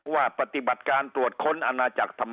ว่าปฏิบัติการตรวจค้นอาณาจักรธรรมกาย